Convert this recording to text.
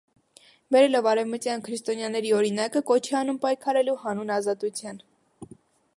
Բերելով արևմտյան քրիստոնյաների օրինակը՝ կոչ է անում պայքարելու հանուն ազատության։